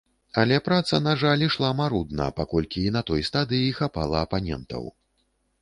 Але праца, на жаль, ішла марудна, паколькі і на той стадыі хапала апанентаў.